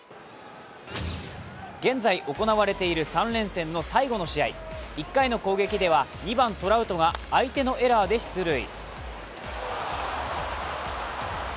現在行われている３連戦の最後の試合１回の攻撃では２番・トラウトが相手のエラーで出塁。